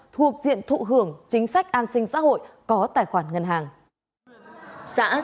thuộc diện thụ hưởng chính sách an sinh xã hội có tài khoản ngân hàng